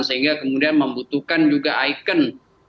sehingga kemudian membutuhkan juga ikon